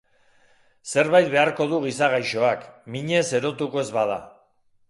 Zerbait beharko du gizagaixoak, minez erotuko ez bada.